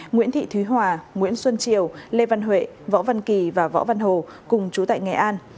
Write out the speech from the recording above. nguyễn thị thúy hòa nguyễn xuân triều lê văn huệ võ văn kỳ và võ văn hồ cùng chú tại nghệ an